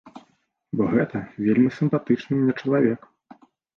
Бо гэта вельмі сімпатычны мне чалавек.